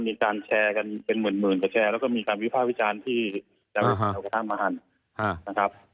ก็มีการแชร์กันเป็นหมื่นก็แชร์แล้วก็มีการวิภาพิจารณ์ที่จะทำมาหั่นนะครับ